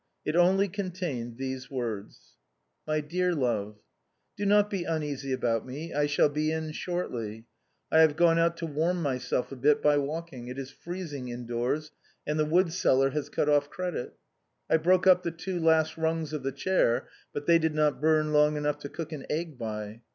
It only contained these words :— "My dear love, "Do not be uneasy about me, I shall be in shortly. I have gone out to warm myself a bit by walking, it is freezing indoors and the woodseller has cut off credit. I broke up the two last rungs of the chair, but they did not burn long enough to cook an egg by.